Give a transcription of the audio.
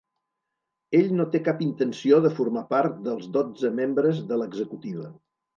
Ell no té cap intenció de formar part dels dotze membres de l’executiva.